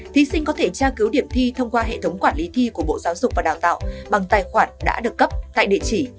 thí sinh có thể tra cứu điểm thi thông qua hệ thống quản lý thi của bộ giáo dục và đào tạo bằng tài khoản đã được cấp tại địa chỉ